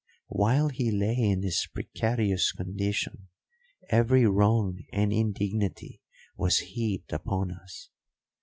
While he lay in this precarious condition every wrong and indignity was heaped upon us.